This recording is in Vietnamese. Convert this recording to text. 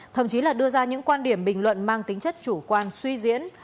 thậm chí là đưa ra những quan điểm bình luận mang tính chất chủ quan suy diễn